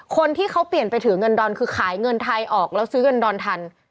คนที่เขาเปลี่ยนไปถือเงินดอนคือขายเงินไทยออกแล้วซื้อเงินดอนทัน